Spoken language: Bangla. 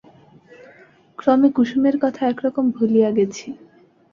ক্রমে কুসুমের কথা একরকম ভুলিয়া গেছি।